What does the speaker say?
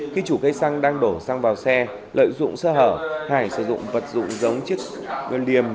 khi chủ cây xăng đang đổ xăng vào xe lợi dụng sơ hở hải sử dụng vật dụng giống chiếc liềm